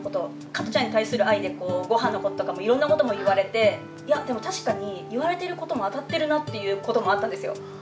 加トちゃんに対する愛で、ごはんのこととかもいろんなことも言われて、いや、でも確かに言われてることも当たってるなということもあったんですよ。